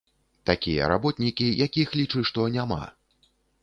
Такія работнікі, якіх лічы што няма.